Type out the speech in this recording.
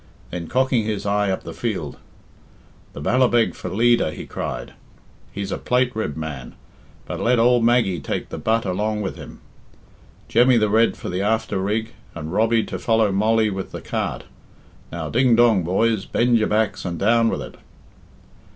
Then cocking his eye up the field, "the Ballabeg for leader," he cried, "he's a plate ribbed man. And let ould Maggie take the butt along with him. Jemmy the Red for the after rig, and Robbie to follow Mollie with the cart Now ding dong, boys, bend your backs and down with it."